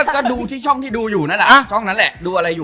ก็ดูที่ช่องที่ดูอยู่น้าแหละ